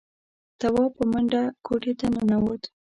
تواب په منډه کوټې ته ننوت.